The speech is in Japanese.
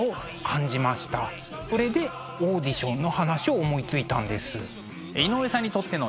それでオーディションの話を思いついたんです。